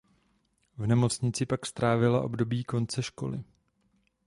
V nemocnici pak strávila období konce školy.